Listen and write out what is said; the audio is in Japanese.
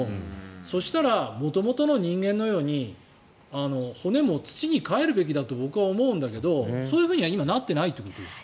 そしたら元々の人間のように骨も土にかえるべきだと僕は思うんだけどそういうふうには今はなってないということですか。